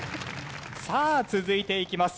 さあ続いていきます。